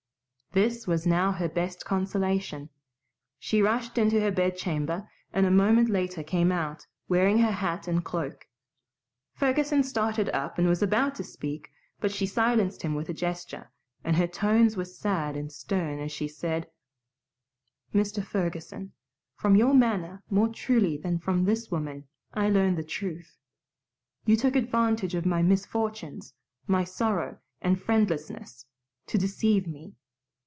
This was now her best consolation. She rushed into her bedchamber, and a moment later came out, wearing her hat and cloak. Ferguson started up and was about to speak, but she silenced him by a gesture, and her tones were sad and stern as she said, "Mr. Ferguson, from your manner more truly than from this woman, I learn the truth. You took advantage of my misfortunes, my sorrow and friendlessness, to deceive me.